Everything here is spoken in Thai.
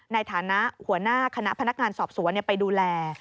ในฐานะหัวหน้าคณะพนักงานสอบสวนไปดูแล